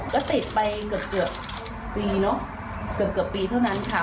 ก็ติดไปเกือบปีเนอะเกือบปีเท่านั้นค่ะ